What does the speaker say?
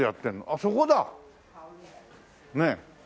あっそこだ！ねえ。